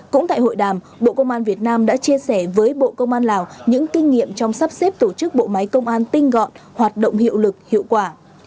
cũng tại hội đàm bộ công an việt nam đã chia sẻ với bộ công an lào những kinh nghiệm trong sắp xếp tổ chức bộ máy công an tinh gọn hoạt động hiệu lực hiệu quả